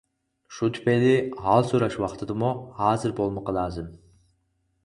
شۇ تۈپەيلى ھال سوراش ۋاقتىدىمۇ ھازىر بولمىقى لازىم.